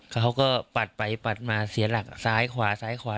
เขาก็ปัดไปปัดมาเสียหลักซ้ายขวาซ้ายขวา